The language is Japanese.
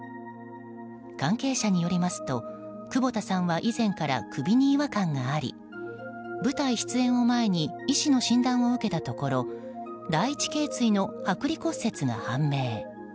関係者によりますと窪田さんは以前から首に違和感があり舞台出演を前に医師の診断を受けたところ第一頸椎の剥離骨折が判明。